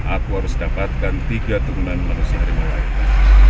aku harus dapatkan tiga turunan manusia dari mereka